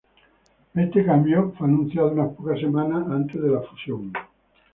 Este cambio fue anunciado unas pocas semanas antes de la fusión.